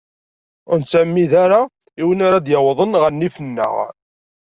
Ur nettɛemmid ara i win ara ad d-yawḍen ɣer nnif-nneɣ.